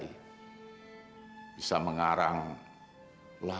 di dalam peringkat camellia udara